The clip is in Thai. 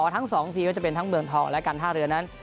ทั้งสองทีจะเป็นทั้งเมืองทองและกรรภเรือนนั้น